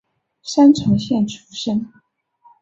三重县出身。